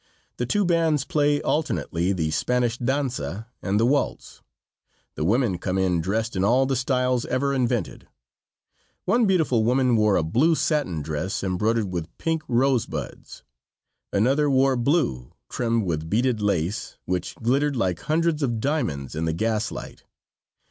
The two bands play alternately the Spanish danza and the waltz. The women come in dressed in all the styles ever invented. One beautiful woman wore a blue satin dress, embroidered with pink rose buds. Another wore blue, trimmed with beaded lace, which glittered like hundreds of diamonds in the gas light.